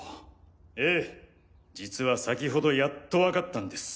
ええ実は先ほどやっと分かったんです。